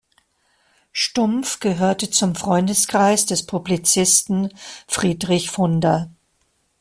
Stumpf gehörte zum Freundeskreis des Publizisten Friedrich Funder.